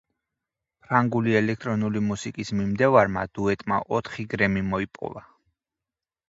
ფრანგული ელექტრონული მუსიკის მიმდევარმა დუეტმა ოთხი „გრემი“ მოიპოვა.